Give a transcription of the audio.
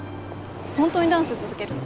ホントにダンス続けるの？